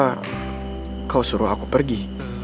karena kau suruh aku pergi